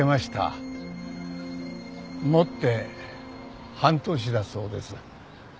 もって半年だそうです。